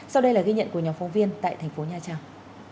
sau đây là ghi nhận của nhóm phóng viên tại thành phố nha trang